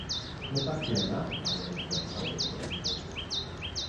Mit wachsender Nachfrage entstanden weitere Betriebe.